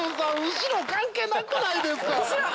後ろ関係なくないですか？